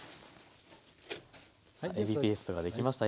さあえびペーストができました。